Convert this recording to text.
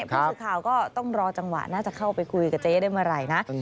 ผู้สื่อข่าวก็ต้องรอจังหวะน่าจะเข้าไปคุยกับเจ๊ได้เมื่อไหร่นะ